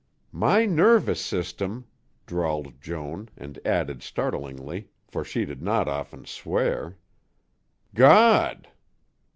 "My nervous system," drawled Joan, and added startlingly, for she did not often swear, "God!"